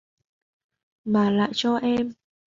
mà lại cho em